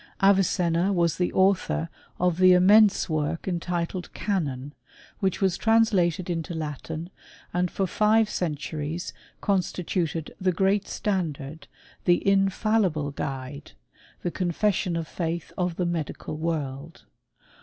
Avicenna was the author of the immense work en titled " Canon," which was translated into Latin, and for five centuries constituted the great standard, the in fallible guide, the confession of faith of the medical world.